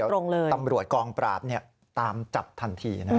แล้วเดี๋ยวตำรวจกองปราบตามจับทันที